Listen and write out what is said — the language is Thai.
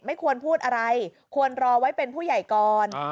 ไม่ควรพูดอะไรควรรอไว้เป็นผู้ใหญ่ก่อน